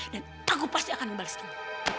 dan aku pasti akan membalas kamu